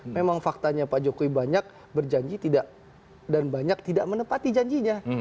memang faktanya pak jokowi banyak berjanji dan banyak tidak menepati janjinya